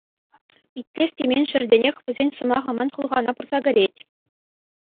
Итлес темен ҫӗртенех вӗсен сӑмахӗ ман хӑлхана пырса кӗрет.